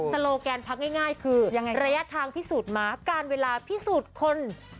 โลแกนพักง่ายคือระยะทางพิสูจน์ม้าการเวลาพิสูจน์คน